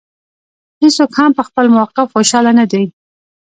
هېڅوک هم په خپل موقف خوشاله نه دی.